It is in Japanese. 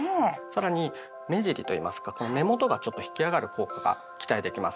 更に目尻といいますか目元がちょっと引き上がる効果が期待できます。